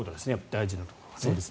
大事なところは。